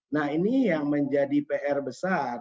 nah ini yang menjadi pr besar